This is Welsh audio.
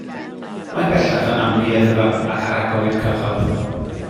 Mae bellach yn amgueddfa ac ar agor i'r cyhoedd.